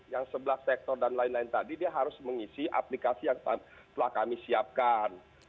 yang sebelah sektor dan lain lain tadi dia harus mengisi aplikasi yang telah kami siapkan